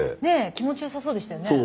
気持ちよさそうでしたよね。